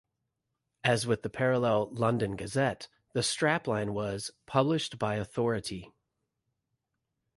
As with the parallel "London Gazette", the strapline was "Published by Authority".